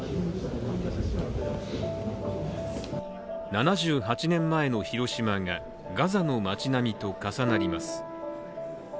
７８年前の広島がガザの町並みと重なります。